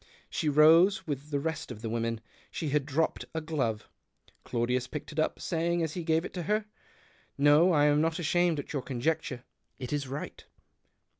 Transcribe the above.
She rose with the rest of the women. She had dropped a glove ; Claudius picked it up, saying, as he gave it to her — "No, I'm not amused at your conjecture — it is right."